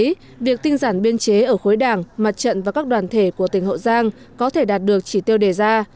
vì vậy việc tinh giản biên chế ở khối đảng mặt trận và các đoàn thể của tỉnh hậu giang có thể đạt được chỉ tiêu đề ra